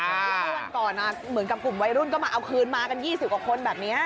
เมื่อวันก่อนเหมือนกับกลุ่มวัยรุ่นก็มาเอาคืนมากัน๒๐กว่าคนแบบนี้